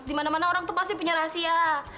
di mana mana orang tuh pasti punya rahasia